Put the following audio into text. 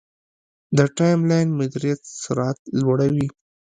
د ټایملاین مدیریت سرعت لوړوي.